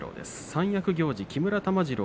三役行司木村玉治郎